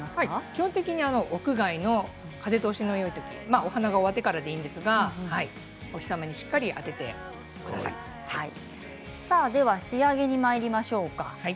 基本的に屋外の風通しのいいところお花が終わってからでいいんですがお日様に仕上げにまいりましょうか。